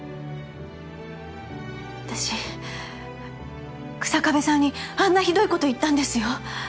私日下部さんにあんなひどいこと言ったんですよ？